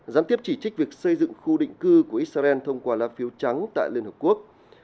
gián tiếp chỉ trích việc xây dựng khu định cư của israel thông qua lá phiếu trắng tại liên hợp quốc